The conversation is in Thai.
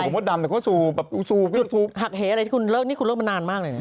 ผมเคยหากเฮอะไรคนเลิกนี่คุณเลิกไปนานมากเลย